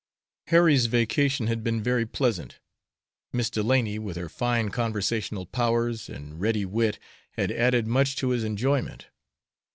Harry's vacation had been very pleasant. Miss Delany, with her fine conversational powers and ready wit, had added much to his enjoyment.